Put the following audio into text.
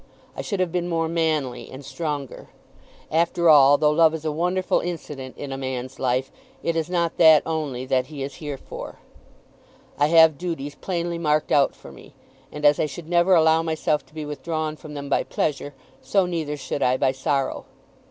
I should have been more manly and stronger. After all, though love is a wonderful incident in a man's life, it is not that only that he is here for. I have duties plainly marked out for me; and as I should never allow myself to be withdrawn from them by pleasure, so neither should I by sorrow.